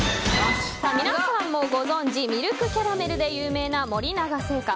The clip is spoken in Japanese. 皆さんもご存じミルクキャラメルで有名な森永製菓。